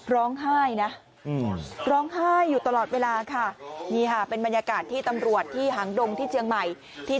ร้องไห้นะร้องไห้อยู่ตลอดเวลาค่ะนี่ค่ะเป็นบรรยากาศที่ตำรวจที่หางดงที่เจียงใหม่ที่